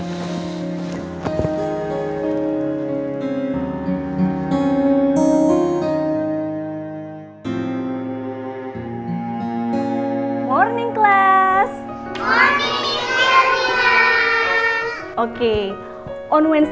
naib bawa siapa riahgranda